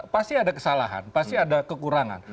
pasti ada kesalahan pasti ada kekurangan